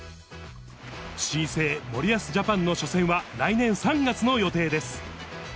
新生森保ジャパンの初戦は、来年３月の予定です。